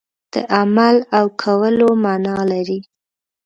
د عمل او کولو معنا لري.